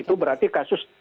itu berarti kasus